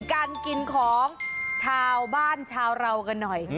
การกินของชาวบ้านชาวเรากันหน่อย